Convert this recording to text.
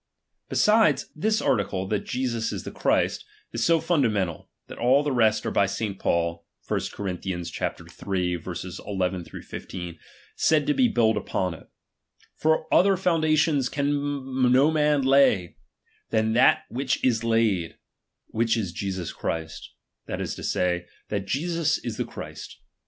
Besides, this article, that Jesus ia the Christ, is so fundamental, that all the rest are by St. Paul (1 Cor. iii. INlfj) said to be built upon it : Foi other foundation can no man lay, than that which is laid ; which is Jesus Christ ; that ia to say, that Jesus is the Christ.